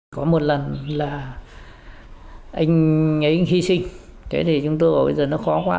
có một lần là anh ấy hy sinh thế thì chúng tôi ở bây giờ nó khó quá